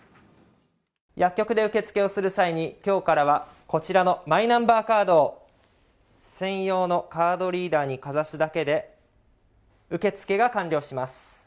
薬局で受付をする際に今日からはこちらのマイナンバーカードを専用のカードリーダーにかざすだけで受付が完了します